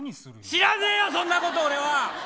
知らねえよ、そんなこと。